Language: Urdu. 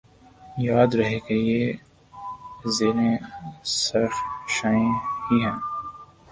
یاد رہے کہ یہ زیریں سرخ شعاعیں ہی ہیں